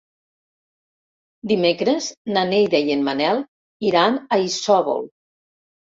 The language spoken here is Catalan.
Dimecres na Neida i en Manel iran a Isòvol.